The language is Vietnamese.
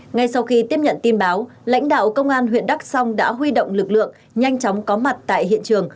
ngay sau khi tiếp nhận tin báo lãnh đạo công an huyện đắk song đã huy động lực lượng nhanh chóng có mặt tại hiện trường